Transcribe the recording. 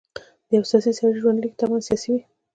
د یوه سیاسي سړي ژوندلیک طبعاً سیاسي وي.